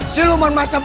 kau akan menang